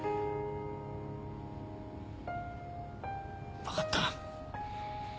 分かった